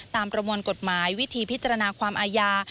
ประมวลกฎหมายวิธีพิจารณาความอาญา